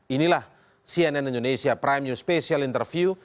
inilah cnn indonesia prime news special interview